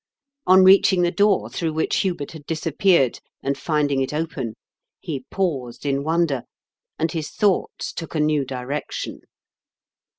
On reaching the door through which Hubert had disappeared, and finding it open, he paused in wonder, and his thoughts took a new direction.